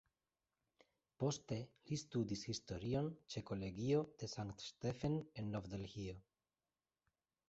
Poste li studis historion ĉe Kolegio de Sankt-Stephen en Nov-Delhio.